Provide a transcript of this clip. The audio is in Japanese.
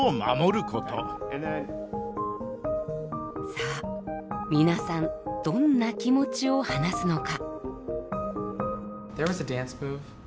さあ皆さんどんな気持ちを話すのか？